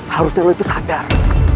harusnya lo itu sadar